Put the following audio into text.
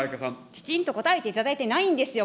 きちんと答えていただいてないんですよ。